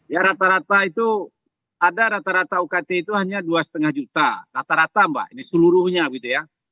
ya rata rata itu ada rata rata ukt itu hanya dua lima juta rata rata mbak ini seluruhnya gitu ya